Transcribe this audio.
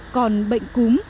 còn bệnh cúm